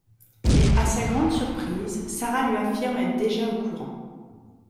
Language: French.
Mais à sa grande surprise, Sarah lui affirme être déjà au courant.